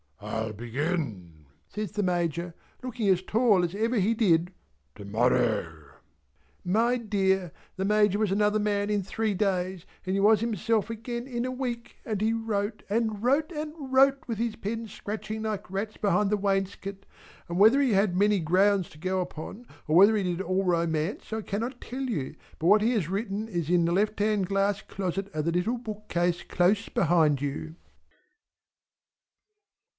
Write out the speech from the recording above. "I'll begin," says the Major looking as tall as ever he did, "to morrow." My dear the Major was another man in three days and he was himself again in a week and he wrote and wrote and wrote with his pen scratching like rats behind the wainscot, and whether he had many grounds to go upon or whether he did at all romance I cannot tell you, but what he has written is in the left hand glass closet of the little bookcase close behind you.